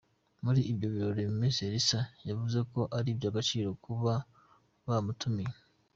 Muri ibyo birori Miss Elsa yavuze ko ari iby’agaciro kuba bamutumiye.